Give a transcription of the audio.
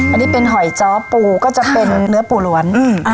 อันนี้เป็นหอยจ้อปูก็จะเป็นเนื้อปูล้วน